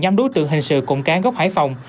nhắm đối tượng hình sự cộng cán gốc hải phòng